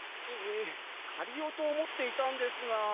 いえかりようと思っていたんですが。